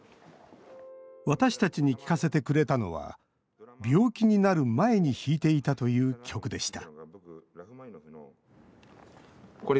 私たちに聞かせてくれたのは病気になる前に弾いていたという曲でした